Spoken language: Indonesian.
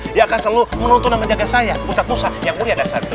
dia akan selalu menuntun dan menjaga saya ustadz musa yang muri ada satu